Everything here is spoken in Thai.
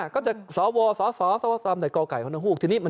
ก็จะสอบวอสอบสอบคอแก่หลังหู้